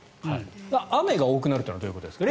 雨が多くなるというのはどういうことですか。